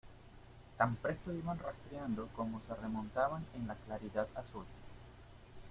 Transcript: tan presto iban rastreando como se remontaban en la claridad azul.